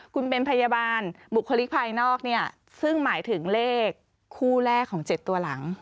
คุณเป็นพยาบาลบุคลิกภายนอกเนี่ยซึ่งหมายถึงเลขคู่แรกของ๗ตัวหลัง